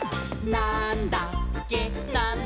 なんだっけ？！」